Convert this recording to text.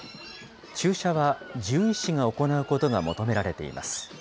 注射は獣医師が行うことが求められています。